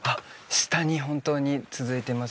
下に本当に続いてます